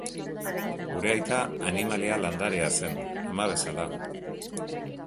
Gure aita animalia-landarea zen, ama bezala.